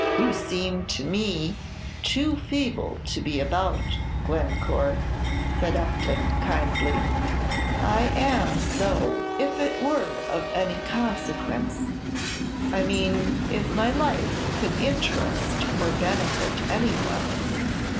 "You seem to me too feeble to be about, Glencore," said Upton, kindly. "I am so, if it were of any consequence, I mean, if my life could interest or benefit any one.